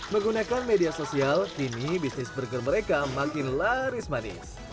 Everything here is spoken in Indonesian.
menggunakan media sosial kini bisnis burger mereka makin laris manis